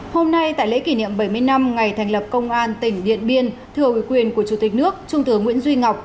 hôm nay tại lễ kỷ niệm bảy mươi năm ngày thành lập công an tỉnh điện biên thừa ủy quyền của chủ tịch nước trung tướng nguyễn duy ngọc